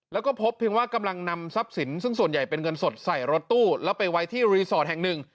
แล้วก็พบเพียงว่ากำลังนำทรัพย์สินซึ่งส่วนใหญ่เป็นเงินสดใส่รถตู้แล้วไปไว้ที่รีสอร์ทแห่งหนึ่ง